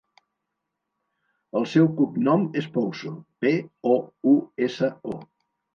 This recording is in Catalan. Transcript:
El seu cognom és Pouso: pe, o, u, essa, o.